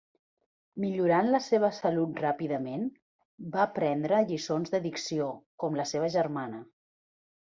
Millorant la seva salut ràpidament, va prendre lliçons de dicció, com la seva germana.